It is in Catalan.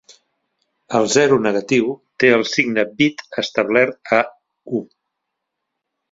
El zero negatiu té el signe bit establert a u.